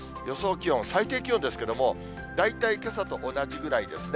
気温、最低気温ですけれども、大体けさと同じぐらいですね。